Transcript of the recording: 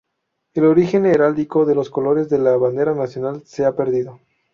El origen heráldico de los colores de la bandera nacional se ha perdido.